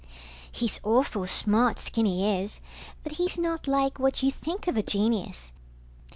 He's awful smart, Skinny is, but he's not like what you think of a genius.